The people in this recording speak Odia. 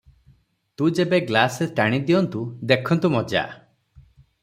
ତୁ ଯେବେ ଗ୍ଲାସେ ଟାଣି ଦିଅନ୍ତୁ, ଦେଖନ୍ତୁ ମଜା!